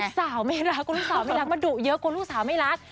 สาวไม่รักลูกสาวไม่รักมาดุเยอะกลัวลูกสาวไม่รัก